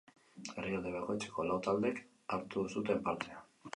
Herrialde bakoitzeko lau taldek hartu zuten parte.